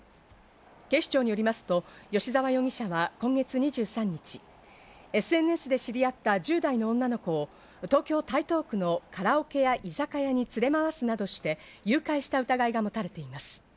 警視庁によりますと吉沢容疑者は今月２３日、ＳＮＳで知り合った１０代の女の子を東京・台東区のカラオケや居酒屋に連れ回すなどして誘拐した疑いが持たれています。